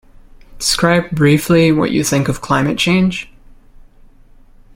Describe briefly what you think of climate change?